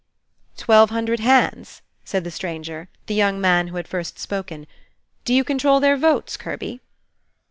"Twelve hundred hands?" said the stranger, the young man who had first spoken. "Do you control their votes, Kirby?"